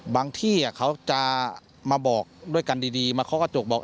ที่เขาจะมาบอกด้วยกันดีมาเคาะกระจกบอก